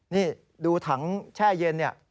นี่ดูถังแช่เย็น